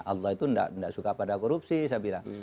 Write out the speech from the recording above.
allah itu tidak suka pada korupsi saya bilang